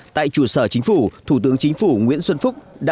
tại chủ sở chính phủ thủ tướng chính phủ nguyễn xuân phúc